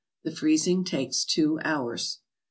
The freezing takes two hours.